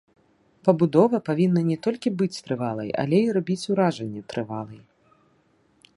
Пабудова павінна не толькі быць трывалай, але і рабіць уражанне трывалай.